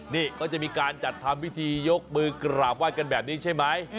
นี่เขาจะมีการจัดทำพิธียกมือกราบไห้กันแบบนี้ใช่ไหม